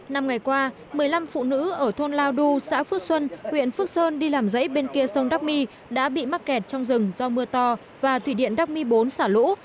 năm ngày qua một mươi năm phụ nữ ở thôn lao đu xã phước xuân huyện phước sơn đi làm dãy bên kia sông đắk mi đã bị mắc kẹt trong rừng do mưa to và thủy điện đắc mi bốn xả lũ